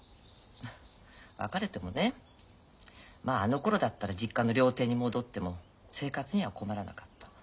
別れてもねまああのころだったら実家の料亭に戻っても生活には困らなかった。